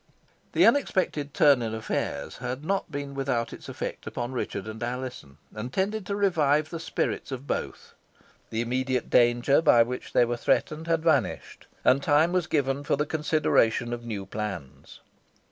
The unexpected turn in affairs had not been without its effect upon Richard and Alizon, and tended to revive the spirits of both. The immediate danger by which they were threatened had vanished, and time was given for the consideration of new plans.